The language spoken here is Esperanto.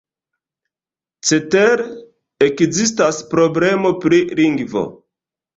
Cetere, ekzistas problemo pri lingvo.